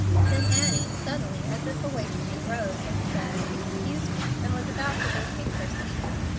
Then Annie, suddenly, as if awakening, rose and said, "Excuse me," and was about to vacate her seat.